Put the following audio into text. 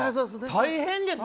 大変ですね。